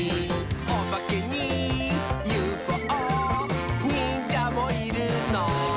「オバケにＵＦＯにんじゃもいるの？」